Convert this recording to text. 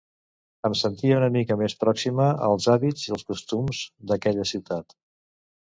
Em sentia una mica més pròxima als hàbits i els costums d’aquella ciutat.